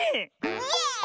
イエーイ！